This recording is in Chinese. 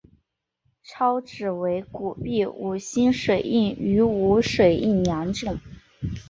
钞纸为古币五星水印与无水印两种。